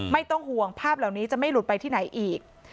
ไม่ต้องห่วงภาพเหล่านี้จะไม่หลุดไปที่ไหนอีก